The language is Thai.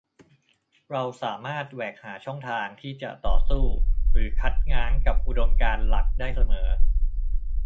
เราสามารถแหวกหาช่องทางที่จะต่อสู้หรือคัดง้างกับอุดมการณ์หลักได้เสมอ